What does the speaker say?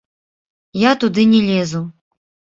Я туды не лезу.